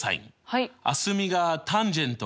はい。